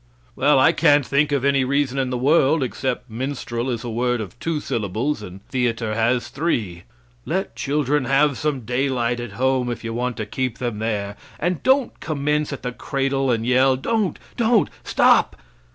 Well, I can't think of any reason in the world except "minstrel" is a word of two syllables and theater has three. Let children have some daylight at home if you want to keep them there, and don't commence at the cradle and yell, "Don't!" "Don't!" "Stop!"